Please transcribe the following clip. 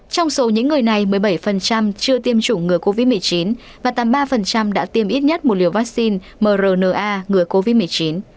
trong số những người này một mươi bảy chưa tiêm chủng ngừa covid một mươi chín và tám mươi ba đã tiêm ít nhất một liều vaccine mrna người covid một mươi chín